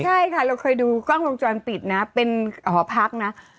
ใช่ค่ะเราเคยดูกล้องวงจรปิดนะเป็นหอพักนะ